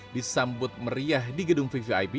disambut meriah di gedung vvip